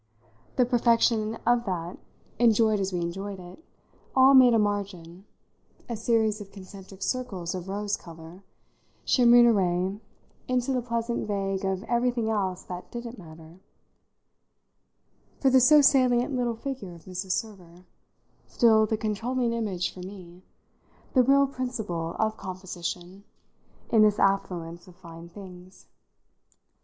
The perfection of that, enjoyed as we enjoyed it, all made a margin, a series of concentric circles of rose colour (shimmering away into the pleasant vague of everything else that didn't matter,) for the so salient little figure of Mrs. Server, still the controlling image for me, the real principle of composition, in this affluence of fine things.